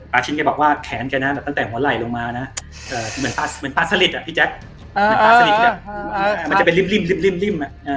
ปาชินแกบอกว่าแขนแกตั้งแต่หัวไหล่ลงมาเหมือนป้าสนิทมันจะไปริ่มริ่มริ่ม